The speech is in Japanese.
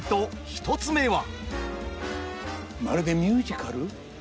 １つ目は。